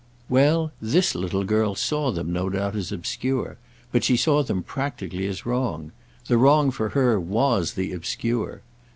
"Well, this little girl saw them, no doubt, as obscure, but she saw them practically as wrong. The wrong for her was the obscure.